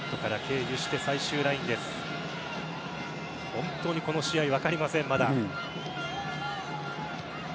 本当にこの試合まだ分かりません。